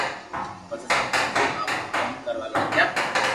پسي سب ھمجين آپرو ڪوم ڪروا لاگيا